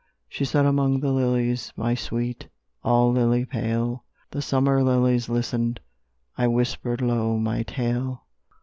She sat among the lilies, My sweet, all lily pale; The summer lilies listened, I whispered low my tale.